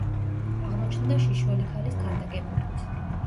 აღმოჩნდა შიშველი ქალის ქანდაკებებიც.